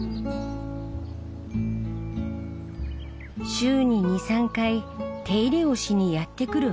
週に２３回手入れをしにやって来る畑。